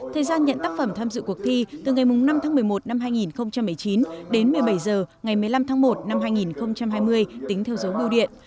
thời gian nhận tác phẩm tham dự cuộc thi từ ngày năm tháng một mươi một năm hai nghìn một mươi chín đến một mươi bảy h ngày một mươi năm tháng một năm hai nghìn hai mươi tính theo dấu biêu điện